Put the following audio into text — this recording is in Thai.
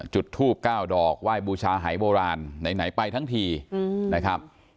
จุดทูบ๙ดอกไหว้บูชาหายโบราณไหนไปทั้งทีนะครับ